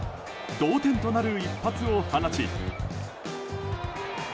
同点となる一発を放ち。